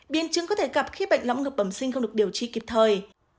biên chứng có thể gặp khi bệnh lõng ngực bẩm sinh không được điều trị kịp thời